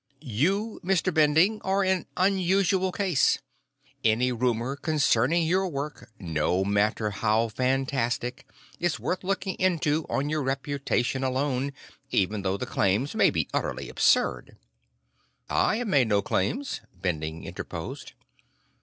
"You, Mr. Bending, are an unusual case. Any rumor concerning your work, no matter how fantastic, is worth looking into on your reputation alone, even though the claims may be utterly absurd." "I have made no claims," Bending interposed.